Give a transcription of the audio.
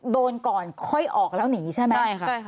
โดนก่อนค่อยออกแล้วหนีใช่ไหม